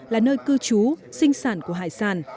là nơi cư trú sinh sản của hải sản